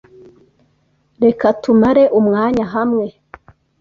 Reka tumare umwanya hamwe.